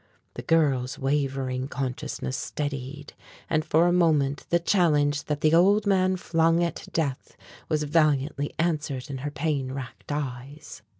The girl's wavering consciousness steadied, and for a moment the challenge that the old man flung at death was valiantly answered in her pain racked eyes.